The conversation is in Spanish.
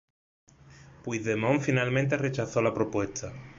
Puigdemont finalmente rechazó la propuesta.